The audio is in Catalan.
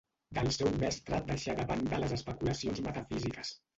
del seu mestre deixà de banda les especulacions metafísiques